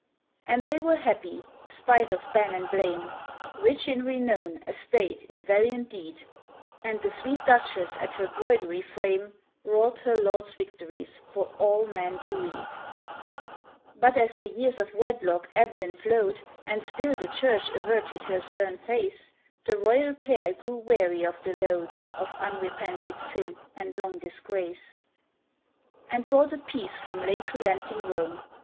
And they were happy, spite of ban and blame, Rich in renown, estate, in valiant deed ; And the sweet Duchess at her broidery frame Wrought her lord's victories for all men to read. 14 CAEN But as the years of wedlock ebbed and flowed, And still the Church averted her stern face, The royal pair grew weary of the load Of unrepented sin and long disgrace, And bought a peace from late relenting Rome.